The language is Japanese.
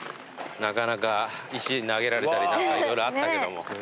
なかなか石投げられたり色々あったけども。